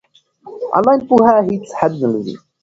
آنلاین پوهه هیڅ حد نلري.